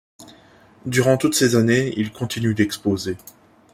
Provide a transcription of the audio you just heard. Durant toutes ces années, il continue d'exposer.